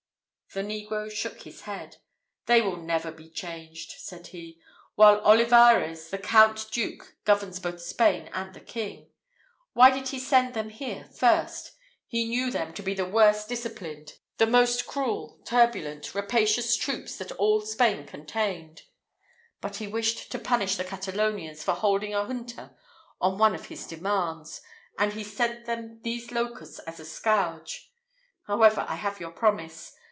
The negro shook his head. "They will never be changed," said he, "while Olivarez, the Count duke, governs both Spain and the king. Why did he send them here at first? He knew them to be the worst disciplined, the most cruel, turbulent, rapacious troops that all Spain contained; but he wished to punish the Catalonians for holding a junta on one of his demands, and he sent them these locusts as a scourge. However, I have your promise.